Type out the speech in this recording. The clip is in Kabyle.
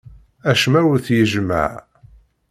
Acemma ur t-jemmɛeɣ.